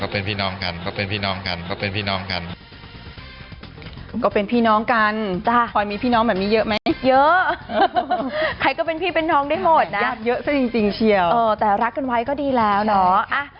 เป็นท้องได้หมดนะยาดเยอะซะจริงเชียวแต่รักกันไว้ก็ดีแล้วเนาะ